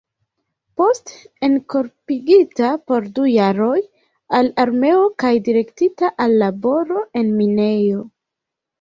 Poste enkorpigita por du jaroj al armeo kaj direktita al laboro en minejo.